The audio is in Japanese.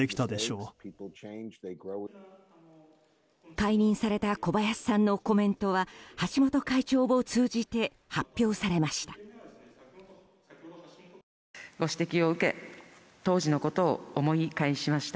解任された小林さんのコメントは橋本会長を通じて発表されました。